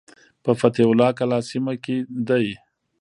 په فتح الله کلا سیمه کې دی.